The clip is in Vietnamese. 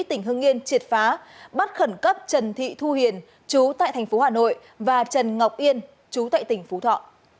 tỉnh hưng yên triệt phá bắt khẩn cấp trần thị thu hiền chú tại thành phố hà nội và trần ngọc yên chú tại tỉnh phú thọ